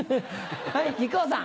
はい木久扇さん。